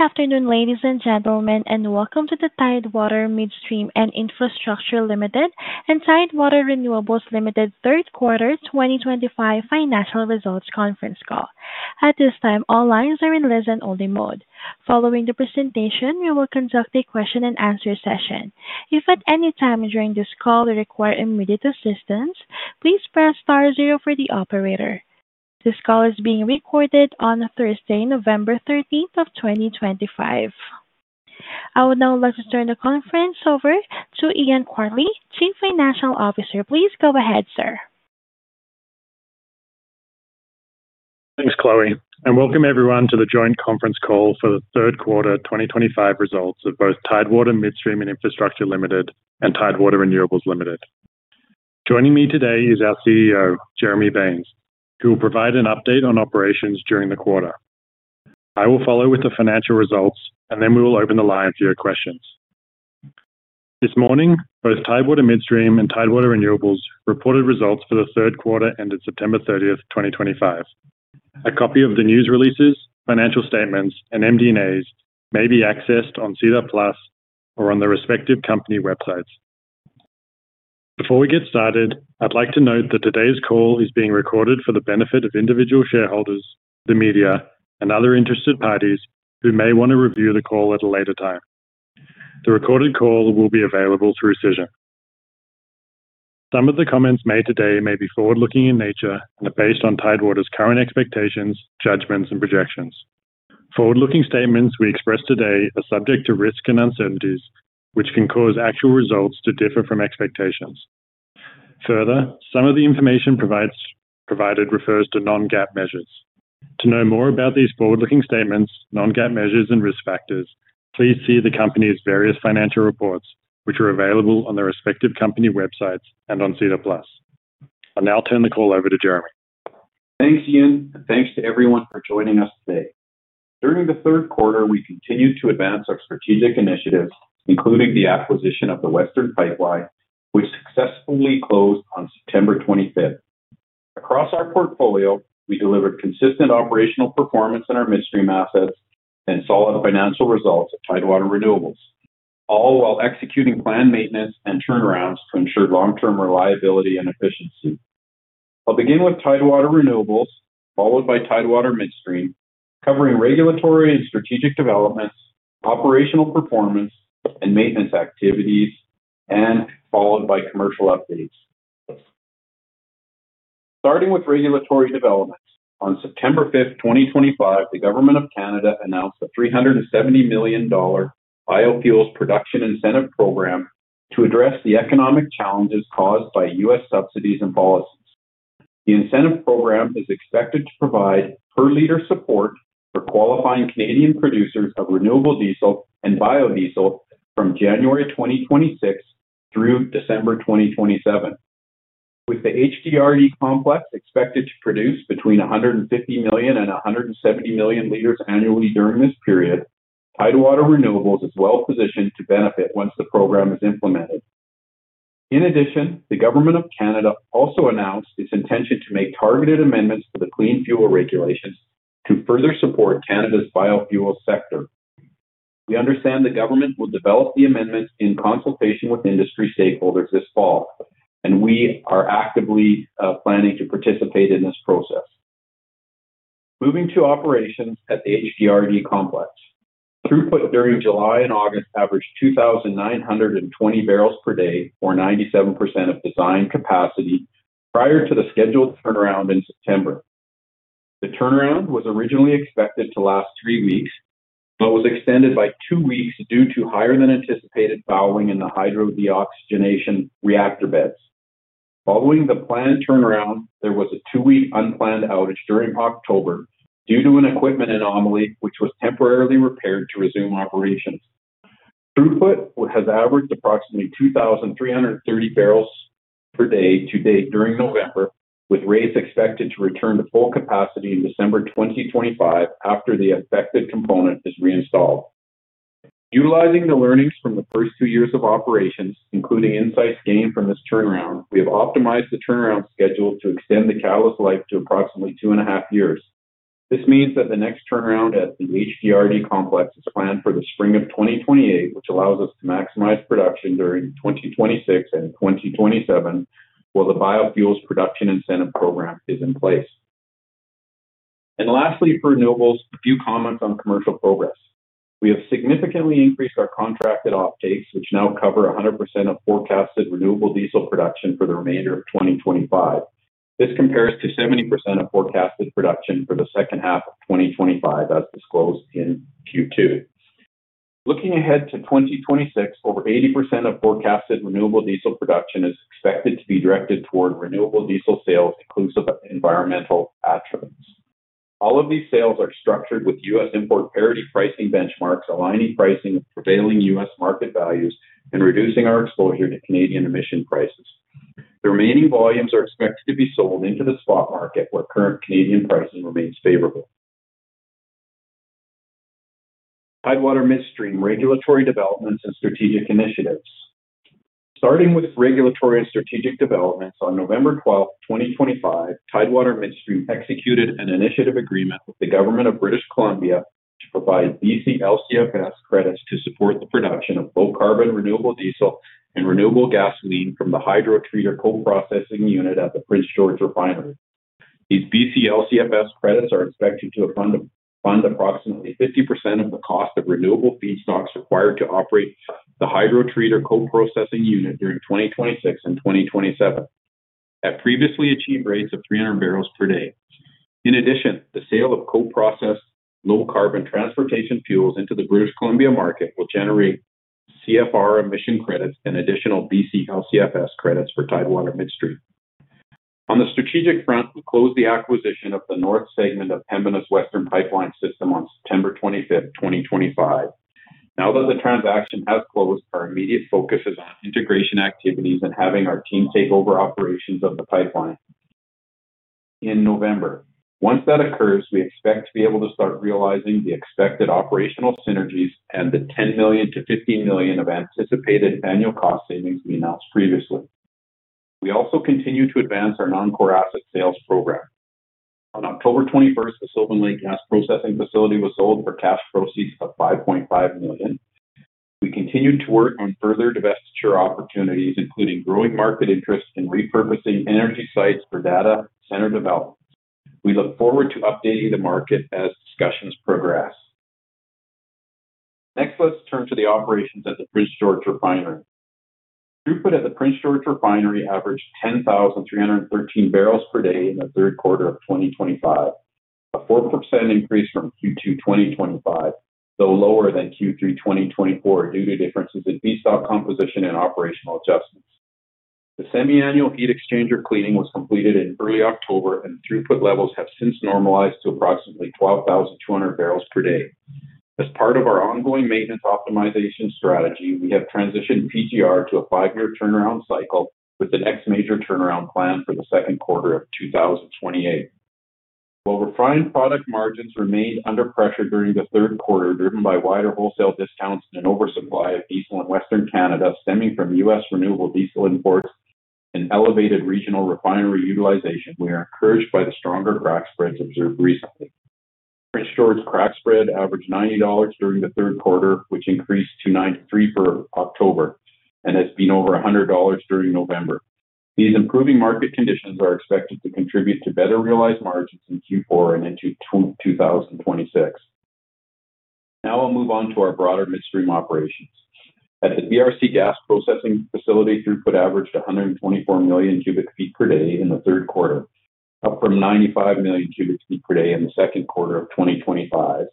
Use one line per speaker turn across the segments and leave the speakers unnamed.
Good afternoon, ladies and gentlemen, and welcome to the Tidewater Midstream and Infrastructure and Tidewater Renewables Third Quarter 2025 Financial Results Conference Call. At this time, all lines are in listen-only mode. Following the presentation, we will conduct a question-and-answer session. If at any time during this call you require immediate assistance, please press star zero for the operator. This call is being recorded on Thursday, November 13th, 2025. I would now like to turn the conference over to Ian Quartly, Chief Financial Officer. Please go ahead, sir.
Thanks, Chloe, and welcome everyone to the joint conference call for the third quarter 2025 results of both Tidewater Midstream and Infrastructure and Tidewater Renewables. Joining me today is our CEO, Jeremy Baines, who will provide an update on operations during the quarter. I will follow with the financial results, and then we will open the line for your questions. This morning, both Tidewater Midstream and Tidewater Renewables reported results for the third quarter ended September 30, 2025. A copy of the news releases, financial statements, and MD&As may be accessed on SEDAR+ or on the respective company websites. Before we get started, I'd like to note that today's call is being recorded for the benefit of individual shareholders, the media, and other interested parties who may want to review the call at a later time. The recorded call will be available through SEDAR+. Some of the comments made today may be forward-looking in nature and are based on Tidewater's current expectations, judgments, and projections. Forward-looking statements we express today are subject to risk and uncertainties, which can cause actual results to differ from expectations. Further, some of the information provided refers to non-GAAP measures. To know more about these forward-looking statements, non-GAAP measures, and risk factors, please see the company's various financial reports, which are available on the respective company websites and on SEDAR+. I'll now turn the call over to Jeremy.
Thanks, Ian, and thanks to everyone for joining us today. During the third quarter, we continued to advance our strategic initiatives, including the acquisition of the Western Pipeline, which successfully closed on September 25. Across our portfolio, we delivered consistent operational performance in our midstream assets and solid financial results at Tidewater Renewables, all while executing planned maintenance and turnarounds to ensure long-term reliability and efficiency. I'll begin with Tidewater Renewables, followed by Tidewater Midstream, covering regulatory and strategic developments, operational performance, and maintenance activities, and followed by commercial updates. Starting with regulatory developments, on September 5, 2025, the Government of Canada announced a 370 million biofuels production incentive program to address the economic challenges caused by U.S. subsidies and policies. The incentive program is expected to provide per-liter support for qualifying Canadian producers of renewable diesel and biodiesel from January 2026 through December 2027. With the HDRD complex expected to produce between 150 million and 170 million liters annually during this period, Tidewater Renewables is well positioned to benefit once the program is implemented. In addition, the Government of Canada also announced its intention to make targeted amendments to the Clean Fuel Regulations to further support Canada's biofuel sector. We understand the government will develop the amendments in consultation with industry stakeholders this fall, and we are actively planning to participate in this process. Moving to operations at the HDRD complex, throughput during July and August averaged 2,920 barrels per day, or 97 percent of design capacity, prior to the scheduled turnaround in September. The turnaround was originally expected to last three weeks, but was extended by two weeks due to higher-than-anticipated bowing in the hydrodeoxygenation reactor beds. Following the planned turnaround, there was a two-week unplanned outage during October due to an equipment anomaly which was temporarily repaired to resume operations. Throughput has averaged approximately 2,330 barrels per day to date during November, with rates expected to return to full capacity in December 2025 after the affected component is reinstalled. Utilizing the learnings from the first two years of operations, including insights gained from this turnaround, we have optimized the turnaround schedule to extend the catalyst life to approximately two and a half years. This means that the next turnaround at the HDRD complex is planned for the spring of 2028, which allows us to maximize production during 2026 and 2027 while the biofuels production incentive program is in place. Lastly, for renewables, a few comments on commercial progress. We have significantly increased our contracted offtakes, which now cover 100% of forecasted renewable diesel production for the remainder of 2025. This compares to 70% of forecasted production for the second half of 2025, as disclosed in Q2. Looking ahead to 2026, over 80% of forecasted renewable diesel production is expected to be directed toward renewable diesel sales, inclusive of environmental attributes. All of these sales are structured with U.S. import parity pricing benchmarks, aligning pricing with prevailing U.S. market values and reducing our exposure to Canadian emission prices. The remaining volumes are expected to be sold into the spot market, where current Canadian pricing remains favorable. Tidewater Midstream regulatory developments and strategic initiatives. Starting with regulatory and strategic developments, on November 12th, 2025, Tidewater Midstream executed an initiative agreement with the Government of British Columbia to provide BC LCFS credits to support the production of low-carbon renewable diesel and renewable gasoline from the hydrotreater co-processing unit at the Prince George Refinery. These BC LCFS credits are expected to fund approximately 50% of the cost of renewable feedstocks required to operate the hydrotreater co-processing unit during 2026 and 2027 at previously achieved rates of 300 barrels per day. In addition, the sale of co-processed low-carbon transportation fuels into the British Columbia market will generate CFR emission credits and additional BC LCFS credits for Tidewater Midstream. On the strategic front, we closed the acquisition of the north segment of Pembina's Western Pipeline System on September 25th, 2025. Now that the transaction has closed, our immediate focus is on integration activities and having our team take over operations of the pipeline in November. Once that occurs, we expect to be able to start realizing the expected operational synergies and the 10 million-15 million of anticipated annual cost savings we announced previously. We also continue to advance our non-core asset sales program. On October 21st, the Sylvan Lake Gas Processing Facility was sold for cash proceeds of 5.5 million. We continue to work on further divestiture opportunities, including growing market interest in repurposing energy sites for data-centered developments. We look forward to updating the market as discussions progress. Next, let's turn to the operations at the Prince George Refinery. Throughput at the Prince George Refinery averaged 10,313 barrels per day in the third quarter of 2025, a 4 percent increase from Q2 2025, though lower than Q3 2024 due to differences in feedstock composition and operational adjustments. The semiannual heat exchanger cleaning was completed in early October, and throughput levels have since normalized to approximately 12,200 barrels per day. As part of our ongoing maintenance optimization strategy, we have transitioned PGR to a five-year turnaround cycle with the next major turnaround planned for the second quarter of 2028. While refined product margins remained under pressure during the third quarter, driven by wider wholesale discounts and an oversupply of diesel in Western Canada stemming from U.S. renewable diesel imports and elevated regional refinery utilization, we are encouraged by the stronger crack spreads observed recently. Prince George crack spread averaged $90 during the third quarter, which increased to $93 for October and has been over $100 during November. These improving market conditions are expected to contribute to better realized margins in Q4 and into 2026. Now I'll move on to our broader midstream operations. At the BRC Gas Processing Facility, throughput averaged 124 million cubic feet per day in the third quarter, up from 95 million cubic feet per day in the second quarter of 2025.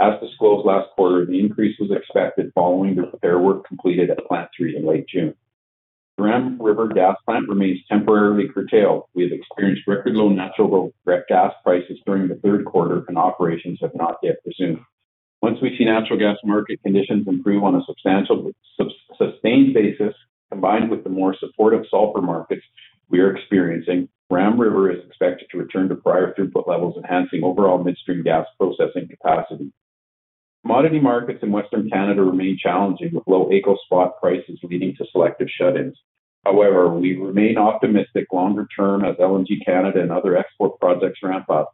As disclosed last quarter, the increase was expected following the repair work completed at Plant 3 in late June. The Durham River Gas Plant remains temporarily curtailed. We have experienced record-low natural gas prices during the third quarter, and operations have not yet resumed. Once we see natural gas market conditions improve on a substantial sustained basis, combined with the more supportive sulfur markets we are experiencing, Ram River is expected to return to prior throughput levels, enhancing overall midstream gas processing capacity. Commodity markets in Western Canada remain challenging, with low AECO spot prices leading to selective shut-ins. However, we remain optimistic longer term as LNG Canada and other export projects ramp up,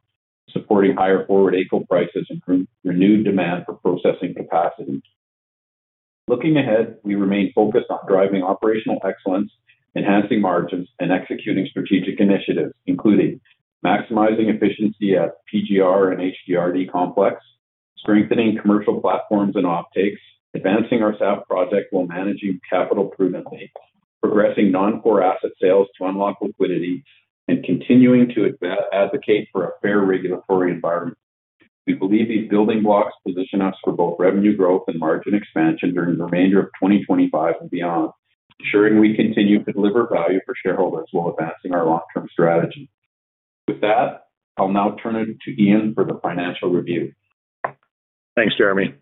supporting higher forward AECO prices and renewed demand for processing capacity. Looking ahead, we remain focused on driving operational excellence, enhancing margins, and executing strategic initiatives, including maximizing efficiency at PGR and HDRD complex, strengthening commercial platforms and offtakes, advancing our SAP project while managing capital prudently, progressing non-core asset sales to unlock liquidity, and continuing to advocate for a fair regulatory environment. We believe these building blocks position us for both revenue growth and margin expansion during the remainder of 2025 and beyond, ensuring we continue to deliver value for shareholders while advancing our long-term strategy. With that, I'll now turn it to Ian for the financial review.
Thanks, Jeremy.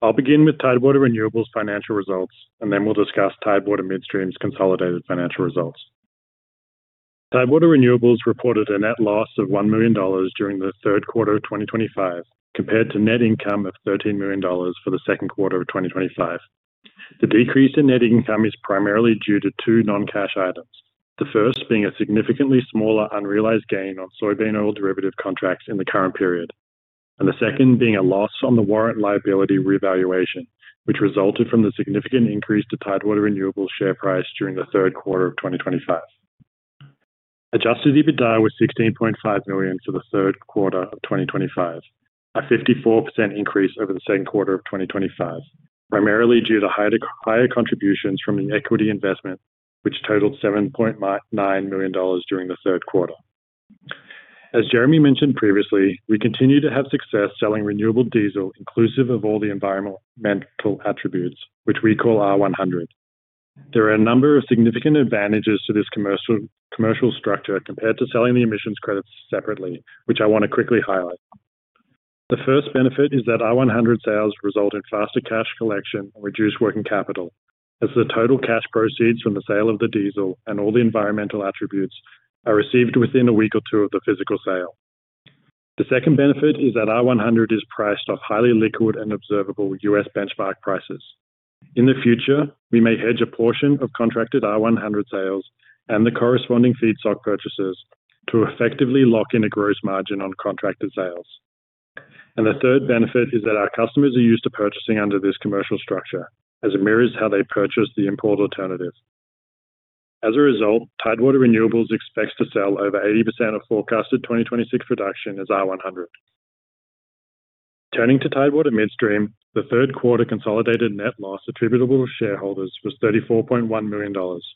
I'll begin with Tidewater Renewables' financial results, and then we'll discuss Tidewater Midstream's consolidated financial results. Tidewater Renewables reported a net loss of 1 million dollars during the third quarter of 2025, compared to net income of 13 million dollars for the second quarter of 2025. The decrease in net income is primarily due to two non-cash items, the first being a significantly smaller unrealized gain on soybean oil derivative contracts in the current period, and the second being a loss on the warrant liability revaluation, which resulted from the significant increase to Tidewater Renewables' share price during the third quarter of 2025. Adjusted EBITDA was 16.5 million for the third quarter of 2025, a 54% increase over the second quarter of 2025, primarily due to higher contributions from the equity investment, which totaled 7.9 million dollars during the third quarter. As Jeremy mentioned previously, we continue to have success selling renewable diesel, inclusive of all the environmental attributes, which we call R100. There are a number of significant advantages to this commercial structure compared to selling the emissions credits separately, which I want to quickly highlight. The first benefit is that R100 sales result in faster cash collection and reduced working capital, as the total cash proceeds from the sale of the diesel and all the environmental attributes are received within a week or two of the physical sale. The second benefit is that R100 is priced off highly liquid and observable U.S. benchmark prices. In the future, we may hedge a portion of contracted R100 sales and the corresponding feedstock purchases to effectively lock in a gross margin on contracted sales. The third benefit is that our customers are used to purchasing under this commercial structure, as it mirrors how they purchase the import alternative. As a result, Tidewater Renewables expects to sell over 80% of forecasted 2026 production as R100. Turning to Tidewater Midstream, the third quarter consolidated net loss attributable to shareholders was 34.1 million dollars,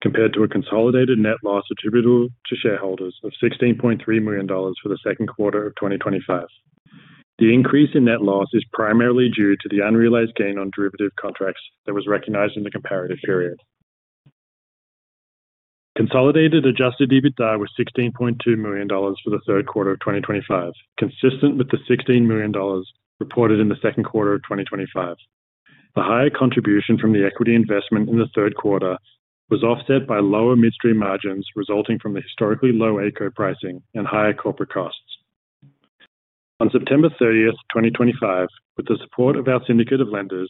compared to a consolidated net loss attributable to shareholders of 16.3 million dollars for the second quarter of 2025. The increase in net loss is primarily due to the unrealized gain on derivative contracts that was recognized in the comparative period. Consolidated adjusted EBITDA was 16.2 million dollars for the third quarter of 2025, consistent with the 16 million dollars reported in the second quarter of 2025. The higher contribution from the equity investment in the third quarter was offset by lower midstream margins resulting from the historically low AECO spot prices and higher corporate costs. On September 30th, 2025, with the support of our syndicate of lenders,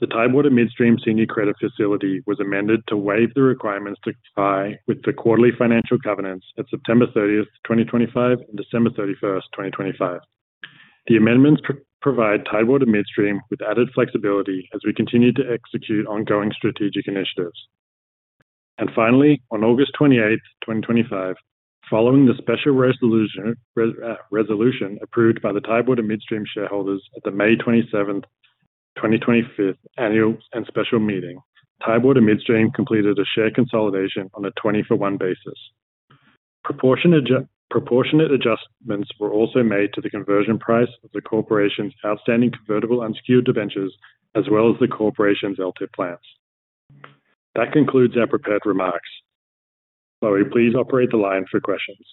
the Tidewater Midstream Senior Credit Facility was amended to waive the requirements to comply with the quarterly financial covenants at September 30th, 2025, and December 31st, 2025. The amendments provide Tidewater Midstream with added flexibility as we continue to execute ongoing strategic initiatives. Finally, on August 28th, 2025, following the special resolution approved by the Tidewater Midstream shareholders at the May 27th, 2025 annual and special meeting, Tidewater Midstream completed a share consolidation on a 20-for-1 basis. Proportionate adjustments were also made to the conversion price of the corporation's outstanding convertible unsecured debentures, as well as the corporation's LTIP plans. That concludes our prepared remarks. Chloe, please operate the line for questions.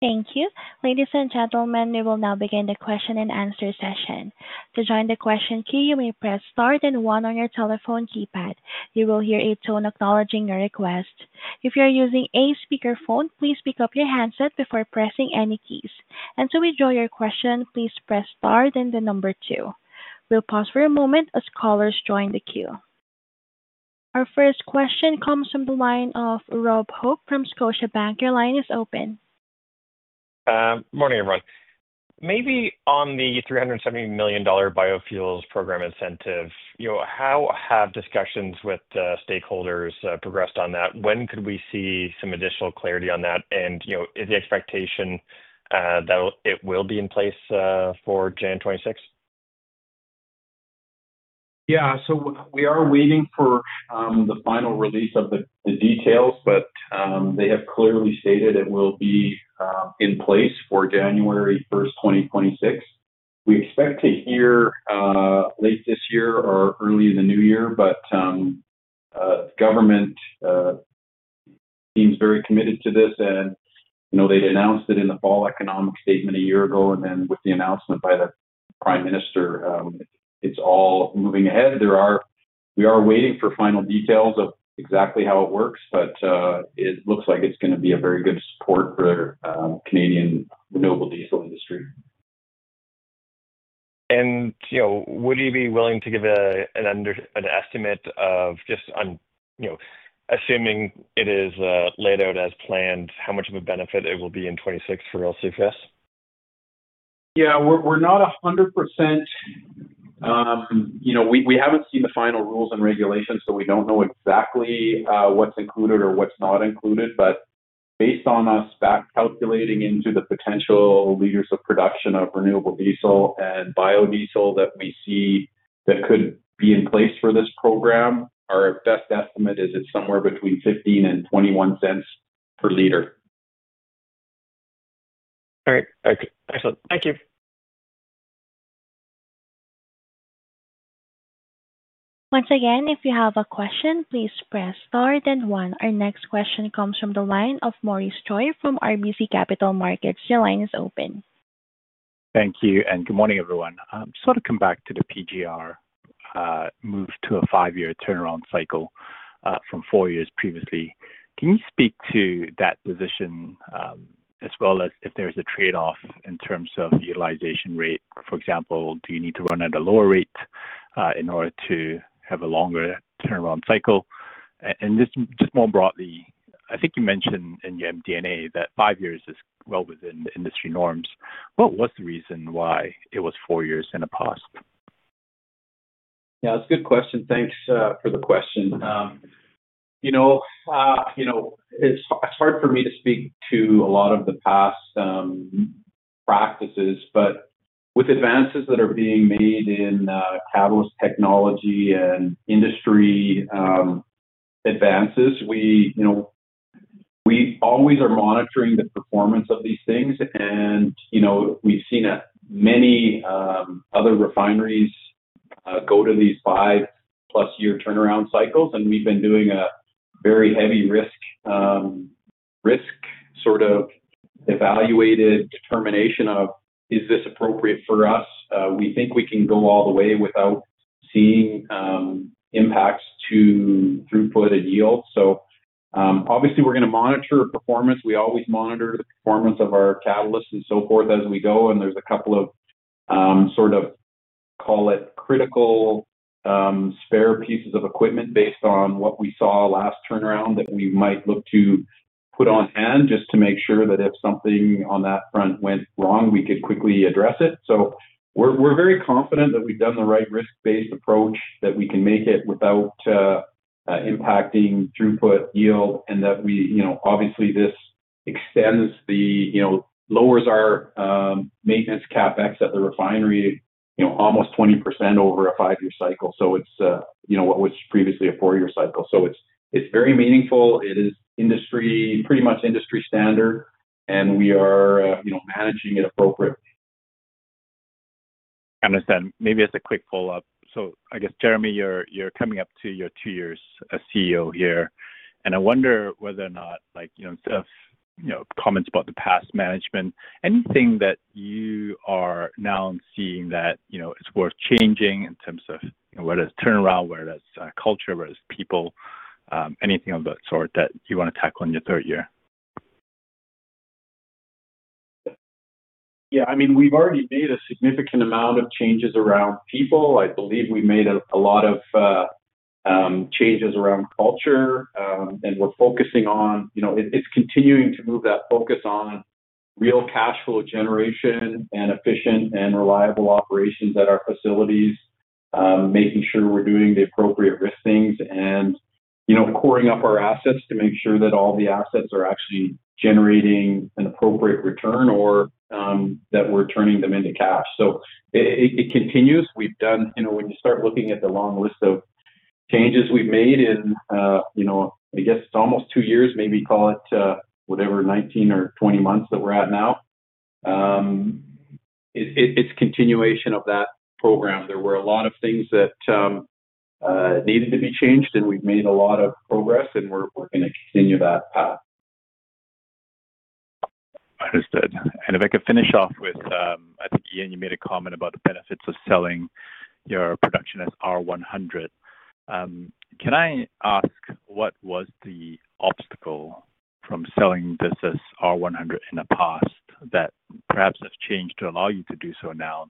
Thank you. Ladies and gentlemen, we will now begin the question and answer session. To join the question queue, you may press star and 1 on your telephone keypad. You will hear a tone acknowledging your request. If you're using a speakerphone, please pick up your handset before pressing any keys. To withdraw your question, please press star and the number 2. We'll pause for a moment as callers join the queue. Our first question comes from the line of Rob Hope from Scotiabank. Your line is open.
Good morning, everyone. Maybe on the 370 million dollar biofuels program incentive, how have discussions with stakeholders progressed on that? When could we see some additional clarity on that? Is the expectation that it will be in place for January 2026?
Yeah. We are waiting for the final release of the details, but they have clearly stated it will be in place for January 1, 2026. We expect to hear late this year or early in the new year. The government seems very committed to this. They announced it in the fall economic statement a year ago. With the announcement by the Prime Minister, it is all moving ahead. We are waiting for final details of exactly how it works, but it looks like it is going to be a very good support for the Canadian renewable diesel industry.
Would you be willing to give an estimate of just assuming it is laid out as planned, how much of a benefit it will be in 2026 for LCFS?
Yeah. We're not 100%. We haven't seen the final rules and regulations, so we don't know exactly what's included or what's not included. Based on us back calculating into the potential liters of production of renewable diesel and biodiesel that we see that could be in place for this program, our best estimate is it's somewhere between $0.15-$0.21 per liter.
All right. Excellent. Thank you.
Once again, if you have a question, please press star and 1. Our next question comes from the line of Maurice Choy from RBC Capital Markets. Your line is open.
Thank you. Good morning, everyone. I just want to come back to the PGR move to a five-year turnaround cycle from four years previously. Can you speak to that position as well as if there's a trade-off in terms of utilization rate? For example, do you need to run at a lower rate in order to have a longer turnaround cycle? Just more broadly, I think you mentioned in your MD&A that five years is well within industry norms. What was the reason why it was four years in the past?
Yeah. That's a good question. Thanks for the question. It's hard for me to speak to a lot of the past practices, but with advances that are being made in catalyst technology and industry advances, we always are monitoring the performance of these things. We have seen many other refineries go to these five-plus-year turnaround cycles. We have been doing a very heavy risk sort of evaluated determination of, is this appropriate for us? We think we can go all the way without seeing impacts to throughput and yield. Obviously, we're going to monitor performance. We always monitor the performance of our catalysts and so forth as we go. There are a couple of sort of, I'll call it critical spare pieces of equipment based on what we saw last turnaround that we might look to put on hand just to make sure that if something on that front went wrong, we could quickly address it. We are very confident that we have done the right risk-based approach, that we can make it without impacting throughput, yield, and that obviously this extends and lowers our maintenance CapEx at the refinery almost 20% over a five-year cycle. It was previously a four-year cycle. It is very meaningful. It is pretty much industry standard, and we are managing it appropriately.
Understand. Maybe as a quick follow-up, I guess, Jeremy, you're coming up to your two years as CEO here. I wonder whether or not, instead of comments about the past management, anything that you are now seeing that is worth changing in terms of whether it's turnaround, whether it's culture, whether it's people, anything of that sort that you want to tackle in your third year?
Yeah. I mean, we've already made a significant amount of changes around people. I believe we've made a lot of changes around culture, and we're focusing on it's continuing to move that focus on real cash flow generation and efficient and reliable operations at our facilities, making sure we're doing the appropriate risk things and coring up our assets to make sure that all the assets are actually generating an appropriate return or that we're turning them into cash. It continues. When you start looking at the long list of changes we've made in, I guess, almost two years, maybe call it whatever, 19 or 20 months that we're at now, it's continuation of that program. There were a lot of things that needed to be changed, and we've made a lot of progress, and we're going to continue that path.
Understood. If I could finish off with, I think, Ian, you made a comment about the benefits of selling your production as R100. Can I ask what was the obstacle from selling this as R100 in the past that perhaps has changed to allow you to do so now?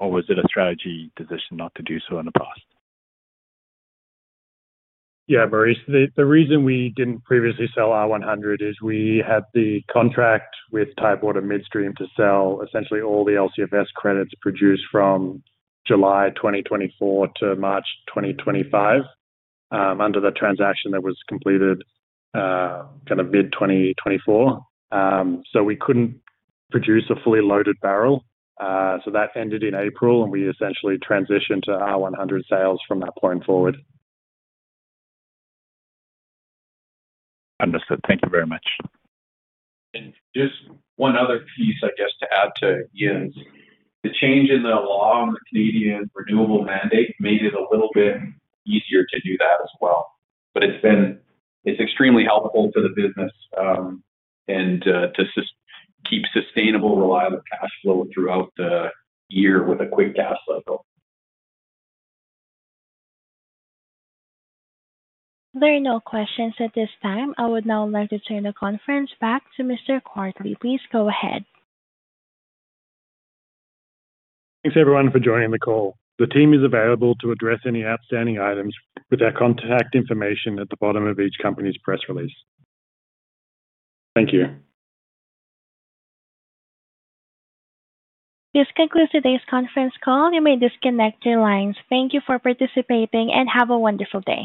Was it a strategy decision not to do so in the past?
Yeah, Maurice. The reason we did not previously sell R100 is we had the contract with Tidewater Midstream to sell essentially all the LCFS credits produced from July 2024 to March 2025 under the transaction that was completed kind of mid-2024. We could not produce a fully loaded barrel. That ended in April, and we essentially transitioned to R100 sales from that point forward.
Understood. Thank you very much.
Just one other piece, I guess, to add to Ian's. The change in the law on the Canadian renewable mandate made it a little bit easier to do that as well. It has been extremely helpful to the business and to keep sustainable, reliable cash flow throughout the year with a quick cash cycle.
There are no questions at this time. I would now like to turn the conference back to Mr. Colcleugh. Please go ahead.
Thanks, everyone, for joining the call. The team is available to address any outstanding items with their contact information at the bottom of each company's press release. Thank you.
This concludes today's conference call. You may disconnect your lines. Thank you for participating and have a wonderful day.